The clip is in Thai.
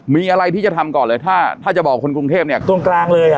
มีอะไรที่จะทำก่อนเลยถ้าถ้าจะบอกคนกรุงเทพเนี่ยตรงกลางเลยอ่ะ